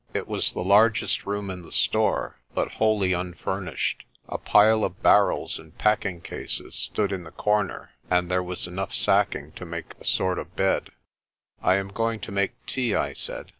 It was the largest room in the store but wholly un furnished. A pile of barrels and packing cases stood in the corner, and there was enough sacking to make a sort of bed. "I am going to make tea," I said.